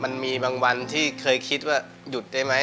มันมีบางวันที่เคยคิดว่าหยุดได้ไหม